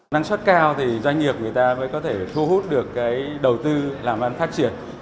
năng suất cao thì doanh nghiệp người ta mới có thể thu hút được đầu tư làm ăn phát triển